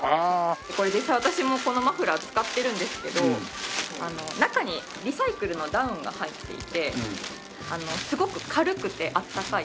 これ実際私もこのマフラー使ってるんですけど中にリサイクルのダウンが入っていてすごく軽くてあったかい。